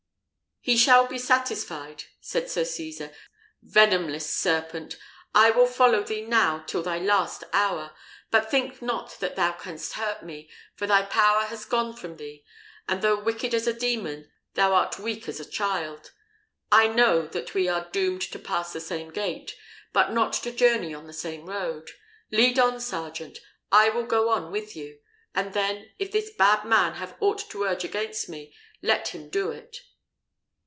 "He shall be satisfied," said Sir Cesar. "Venomless serpent! I will follow thee now till thy last hour. But think not that thou canst hurt me, for thy power has gone from thee; and though wicked as a demon, thou art weak as a child. I know that we are doomed to pass the same gate, but not to journey on the same road. Lead on, sergeant; I will go on with you; and then, if this bad man have aught to urge against me, let him do it."